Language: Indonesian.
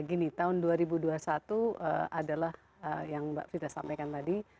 gini tahun dua ribu dua puluh satu adalah yang mbak frida sampaikan tadi